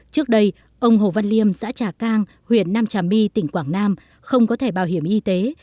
trước đây ông hồ văn liêm xã trà cang huyện nam trà my tỉnh quảng nam không có thẻ bảo hiểm y tế